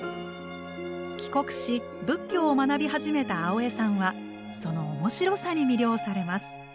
帰国し仏教を学び始めた青江さんはその面白さに魅了されます。